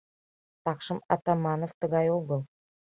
Такшым Атаманов тыгай огыл.